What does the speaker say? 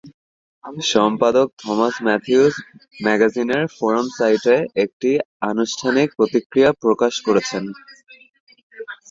সম্পাদক Thomas Matthews ম্যাগাজিনের forum সাইটে একটি আনুষ্ঠানিক প্রতিক্রিয়া প্রকাশ করেছেন।